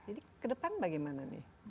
jadi ke depan bagaimana nih